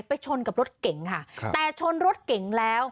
ชนกับรถเก๋งค่ะแต่ชนรถเก่งแล้ว